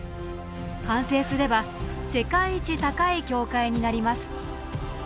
完成すれば世界一高い教会になります。